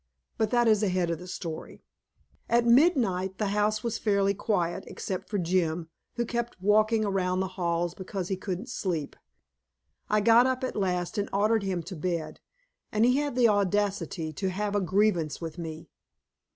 But that is ahead of the story. At midnight the house was fairly quiet, except for Jim, who kept walking around the halls because he couldn't sleep. I got up at last and ordered him to bed, and he had the audacity to have a grievance with me.